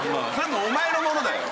お前のものだよ。